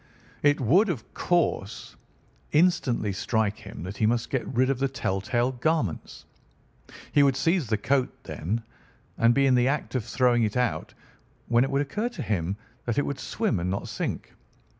It would of course instantly strike him that he must get rid of the tell tale garments. He would seize the coat, then, and be in the act of throwing it out, when it would occur to him that it would swim and not sink.